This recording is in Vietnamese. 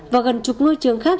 và gần chục ngôi trường khác